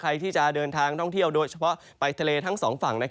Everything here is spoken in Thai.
ใครที่จะเดินทางท่องเที่ยวโดยเฉพาะไปทะเลทั้งสองฝั่ง